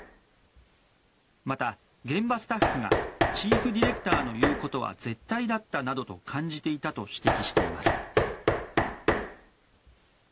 また、現場スタッフがチーフディレクターの言うことは絶対だったなどと感じていたと指摘しています。